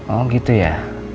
oh gitu ya